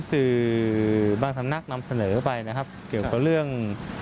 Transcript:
สื่อบางสำนักนำเสนอไปนะครับเกี่ยวกับเรื่อง